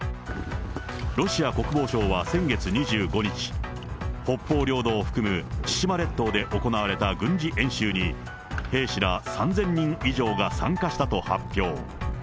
ロシア国防省は先月２５日、北方領土を含む千島列島で行われた軍事演習に兵士ら３０００人以上が参加したと発表。